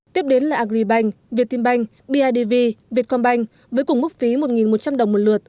tiếp đến là agribank viettinbank bidv vietcombank với cùng mức phí một một trăm linh đồng một lượt